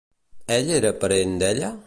Ell era parent d'ella?